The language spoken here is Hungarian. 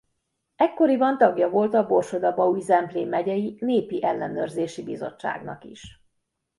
Ekkoriban tagja volt a Borsod-Abaúj-Zemplén Megyei Népi Ellenőrzési Bizottságnak is.